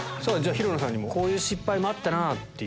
平野さんにもこういう失敗もあったなぁっていう。